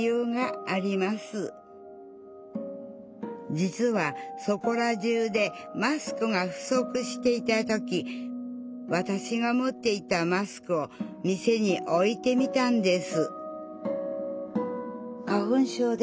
実はそこら中でマスクが不足していた時わたしが持っていたマスクを店に置いてみたんです